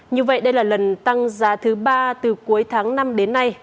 như vậy đây là lần tăng giá thứ ba từ cuối tháng năm đến nay